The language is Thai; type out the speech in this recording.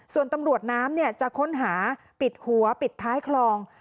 ส่วนตำรวจน้ำจะค้นหาปิดหัวปิดท้ายคลอง